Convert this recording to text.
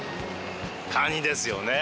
カニですよね。